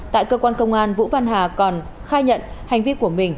tại cơ quan công an vũ văn hà còn khai nhận hành vi của mình